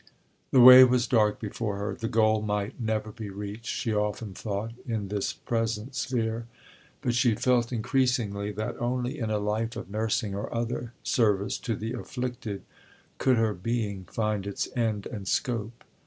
The way was dark before her; the goal might never be reached, she often thought, in this present sphere; but she felt increasingly that only in a life of nursing or other service to the afflicted could her being find its end and scope.